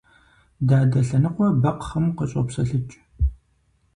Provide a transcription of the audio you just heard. Дадэ лъэныкъуэ бэкхъым къыщӀопсэлъыкӀ.